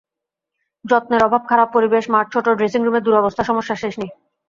যত্নের অভাব, খারাপ পরিবেশ, মাঠ ছোট, ড্রেসিং রুমের দুরবস্থা—সমস্যার শেষ নেই।